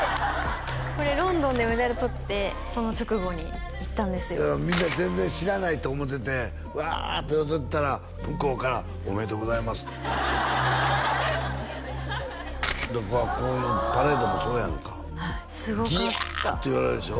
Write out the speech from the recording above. これロンドンでメダル取ってその直後に行ったんですよだからみんな全然知らないと思っててうわって踊ってたら向こうからおめでとうございますとこういうパレードもそうやんかギャー！って言われるでしょ？